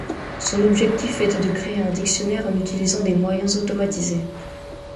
Son objectif était de créer un dictionnaire en utilisant des moyens automatisés.